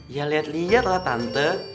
ya liat liat lah tante